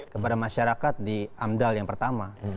kepada masyarakat di amdal yang pertama